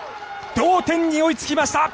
同点に追いつきました！